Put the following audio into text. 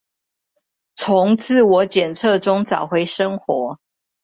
從自我檢測中找回生活